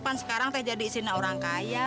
pan sekarang itu jadi isin orang kaya